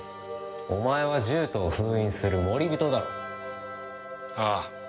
お前は獣人を封印する守り人だろう？ああ。